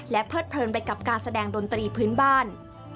เพลิดเพลินไปกับการแสดงดนตรีพื้นบ้าน